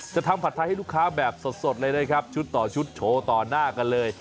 ทำผัดไทยให้ลูกค้าแบบสดเลยนะครับชุดต่อชุดโชว์ต่อหน้ากันเลย